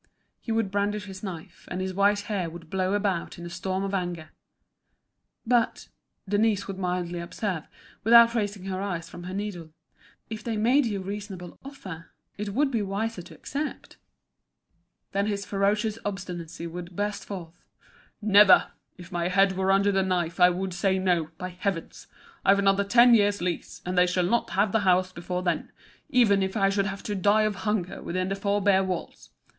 He would brandish his knife, and his white hair would blow about in a storm of anger. "But," Denise would mildly observe, without raising her eyes from her needle, "if they made you a reasonable offer, it would be wiser to accept." Then his ferocious obstinacy would burst forth. "Never! If my head were under the knife I would say no, by heavens! I've another ten years' lease, and they shall not have the house before then, even if I should have to die of hunger within the four bare walls.